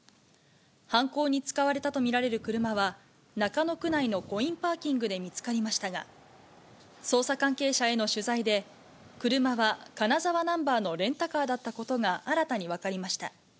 犯行に使われたと見られる車は、中野区内のコインパーキングで見つかりましたが、捜査関係者への取材で、車は金沢ナンバーのレンタカーだったことが新たに分かりました。